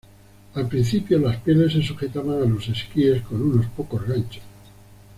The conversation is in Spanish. Al principio las pieles se sujetaban a los esquíes con unos pocos ganchos.